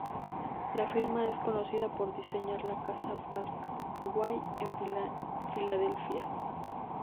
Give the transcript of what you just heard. La firma es conocida por diseñar la Casa Parkway en Filadelfia.